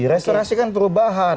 restorasi kan perubahan